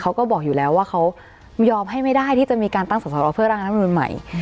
เขาก็บอกอยู่แล้วว่าเขายอมให้ไม่ได้ที่จะมีการตั้งสอสอรอเพื่อร่างรัฐมนุนใหม่